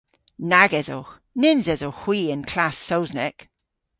Nag esowgh. Nyns esowgh hwi y'n klass Sowsnek.